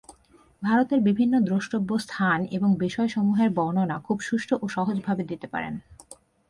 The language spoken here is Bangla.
ভারতের বিভিন্ন দ্রষ্টব্য স্থান এবং বিষয়সমূহের বর্ণনা খুব সুষ্ঠু ও সহজভাবে দিতে পারেন।